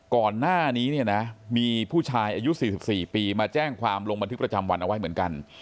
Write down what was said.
ก่อนหน้านี้เนี่ยนะมีผู้ชายอายุ๔๔ปีมาแจ้งความลงบันทึกประจำวันเอาไว้เหมือนกัน